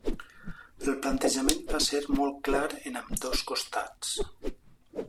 El plantejament va ser molt clar en ambdós costats.